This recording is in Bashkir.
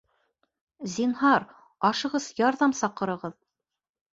Зинһар, ашығыс ярҙам саҡырығыҙ!